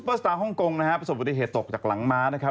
สตาร์ฮ่องกงนะฮะประสบปฏิเหตุตกจากหลังม้านะครับ